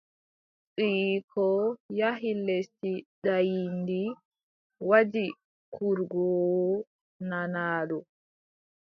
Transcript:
Ɓiyiiko yahi lesdi daayiindi waddi kurgoowo nanaaɗo.